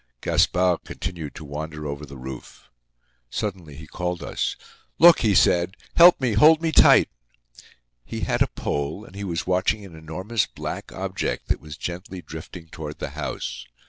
Gaspard continued to wander over the Roof. Suddenly he called us. "Look!" he said. "Help me—hold me tight!" He had a pole and he was watching an enormous black object that was gently drifting toward the house.